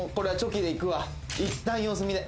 いったん様子見で。